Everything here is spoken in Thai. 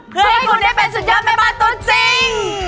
เพื่อนคุณให้เป็นศุกราษแม่บ้านตัวจริง